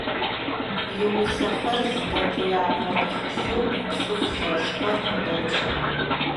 Иусэхэр зыдэт иапэрэ тхылъэу «Цӏыф лъэшхэр» къыдэкӏыгъ.